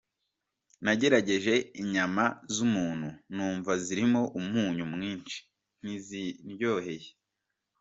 Nagerageje inyama z’umuntu numva zirimo umunyu mwinshi ntizindyoheye.